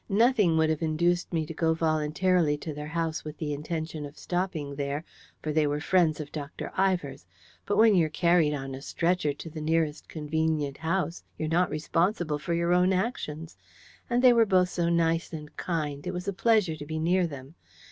Nothing would have induced me to go voluntarily to their house with the intention of stopping there for they were friends of Dr. Ivor's. But when you're carried on a stretcher to the nearest convenient house, you're not responsible for your own actions. And they were both so nice and kind, it was a pleasure to be near them.